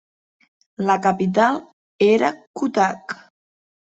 La capital era Cuttack.